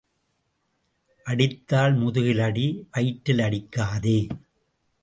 அடித்தால் முதுகில் அடி, வயிற்றில் அடிக்காதே.